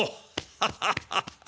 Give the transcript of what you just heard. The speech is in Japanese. ハハハハ！